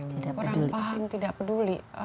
kurang paham tidak peduli